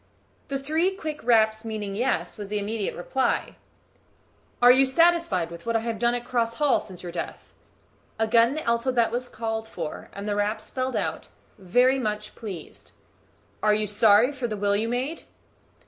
The three quick raps meaning "Yes" was the immediate reply. "Are you satisfied with what I have done at Cross Hall since your death?" Again the alphabet was called for, and the raps spelled out, "Very much pleased." "Are you sorry for the will you made?"